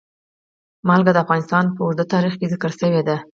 نمک د افغانستان په اوږده تاریخ کې ذکر شوی دی.